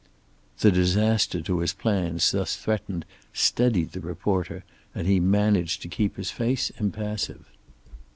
The disaster to his plans thus threatened steadied the reporter, and he managed to keep his face impassive.